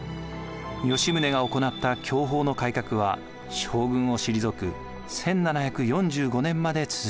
吉宗が行った享保の改革は将軍を退く１７４５年まで続きました。